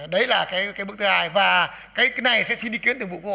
đấy là cái bước thứ hai và cái này sẽ xin ý kiến từ bộ quốc hội tại phía sau